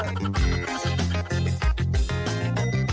ไซนี่หน่อยเลยค่ะ